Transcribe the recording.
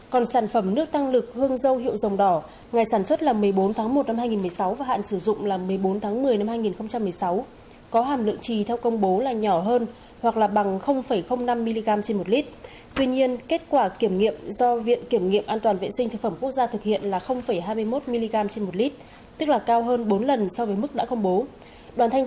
còn sản phẩm nước tăng lực hương dâu hiệu dòng đỏ ngày sản xuất là một mươi bốn tháng một năm hai nghìn một mươi sáu và hạn sử dụng là một mươi bốn tháng một mươi